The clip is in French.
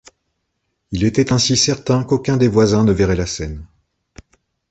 Il était ainsi certain qu’aucun des voisins ne verrait la scène.